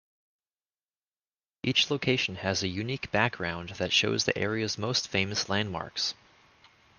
Each location has a unique background that shows the area's most famous landmarks.